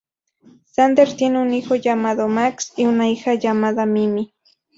Sander tiene un hijo llamado Max, y una hija llamada Mimi.